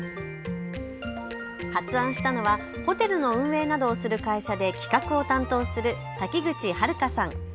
発案したのはホテルの運営などをする会社で企画を担当する滝口遥さん。